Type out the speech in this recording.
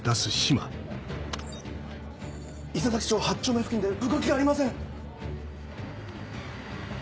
伊勢佐木町８丁目付近で動きがありません！